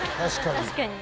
確かに。